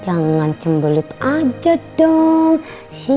ada posisi mengatasi